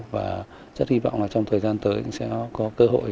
và rất hy vọng là trong thời gian tới sẽ có cơ hội